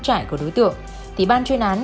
vai và cổ của nạn nhân